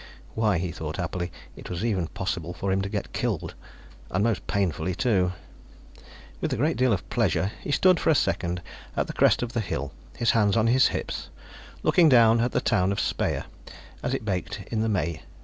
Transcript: Why, he thought happily, it was even possible for him to get killed, and most painfully, too! With a great deal of pleasure, he stood for a second at the crest of the hill, his hands on his hips, looking down at the town of Speyer as it baked in the May afternoon sunlight.